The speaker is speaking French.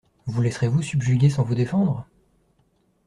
Vous laisserez-vous subjuguer sans vous défendre?